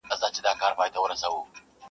• چي تر څو دا جهالت وي چي تر څو همدغه قام وي -